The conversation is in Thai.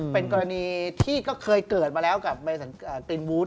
เป็นกรณีที่ก็เคยเกิดมาแล้วกับตินวูด